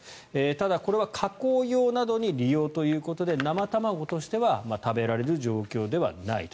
ただ、これは加工用などに利用ということで生卵としては食べられる状況ではないと。